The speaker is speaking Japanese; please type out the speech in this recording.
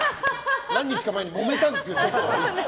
何日か前にもめたんですよ。